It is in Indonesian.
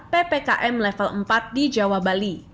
ppkm level empat di jawa bali